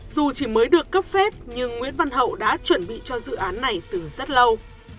dù chỉ mới được cấp phép nhưng nguyễn văn hậu đã chuẩn bị cho dự án này từ rất lâu